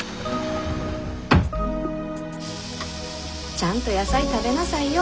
ちゃんと野菜食べなさいよ。